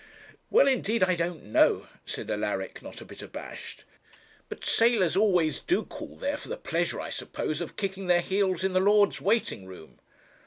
'Well, indeed, I don't know,' said Alaric, not a bit abashed. 'But sailors always do call there, for the pleasure, I suppose, of kicking their heels in the lords' waiting room.'